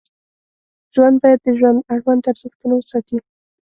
ژوند باید د ژوند اړوند ارزښتونه وساتي.